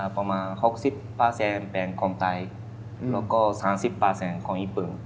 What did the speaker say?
ประมาณ๖๐เป็นคนไทยแล้วก็๓๐คนญี่ปุ่น